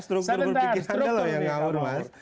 struktur berpikir anda loh yang ngawur mas